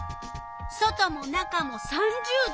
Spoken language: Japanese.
外も中も３０℃。